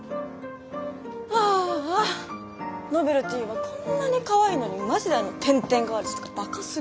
ああノベルティはこんなにかわいいのにマジであの天天ガールズとかバカすぎ。